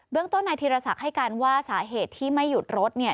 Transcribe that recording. ต้นนายธีรศักดิ์ให้การว่าสาเหตุที่ไม่หยุดรถเนี่ย